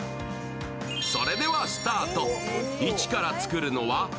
それではスタート。